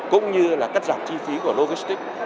cũng như là cắt giảm chi phí của logistics